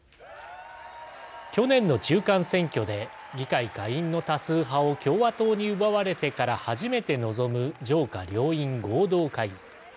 去年の中間選挙で議会下院の多数派を共和党に奪われてから初めて臨む上下両院合同会議。